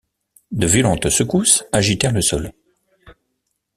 De violentes secousses agitèrent le sol.